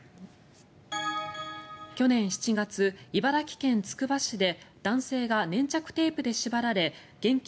去年７月、茨城県つくば市で男性が粘着テープで縛られ現金